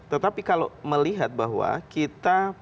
tetapi kalau melihat bahwa kita